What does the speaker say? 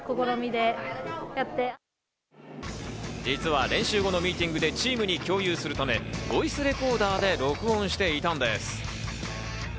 実は練習後のミーティングでチームに共有するため、ボイスレコーダーで録音していたんです。